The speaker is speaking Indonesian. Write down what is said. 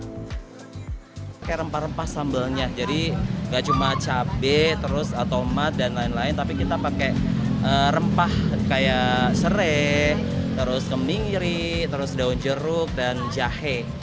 kayak rempah rempah sambalnya jadi gak cuma cabai terus tomat dan lain lain tapi kita pakai rempah kayak serai terus keming iri terus daun jeruk dan jahe